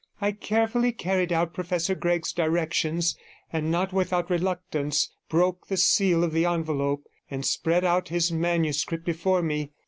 I carefully carried out Professor Gregg's directions, and not without reluctance broke the seal of the envelope, and spread out his manuscript before me.